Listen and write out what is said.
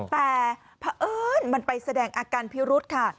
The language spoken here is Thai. แต่เผอิญมันไปแสดงอาการพิรุธค่ะ